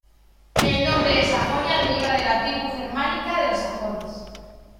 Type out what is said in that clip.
El nombre de Sajonia deriva del de la tribu germánica de los sajones.